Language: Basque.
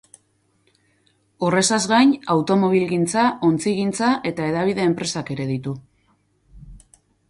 Horrezaz gain, automobilgintza, ontzigintza eta hedabide enpresak ere ditu.